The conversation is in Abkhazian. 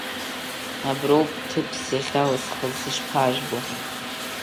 Аброуп ҭыԥс иахьалсхыз, ишԥажәбо?